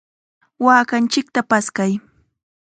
¡Waakanchikta paskay!